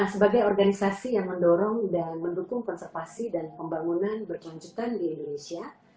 sebagai organisasi yang mendorong dan mendukung konservasi dan pembangunan berkelanjutan di indonesia